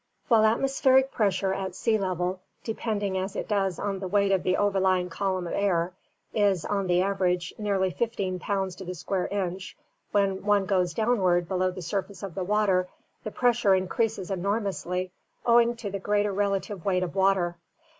While atmospheric pressure at sea level, depending as it does on the weight of the overlying column of air, is, on the average, nearly fifteen pounds to the square inch, when one goes downward below the surface of the water the pressure increases enormously owing to the greater relative weight of water.